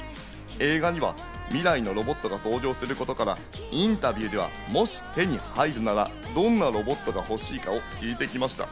映画には未来のロボットが登場することから、インタビューではもし手に入るなら、どんなロボットが欲しいかを聞いてきました。